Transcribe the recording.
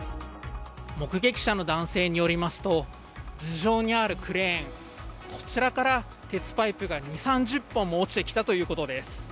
目撃者の男性によりますと、頭上にあるクレーン、こちらから鉄パイプが２０３０本も落ちてきたということです。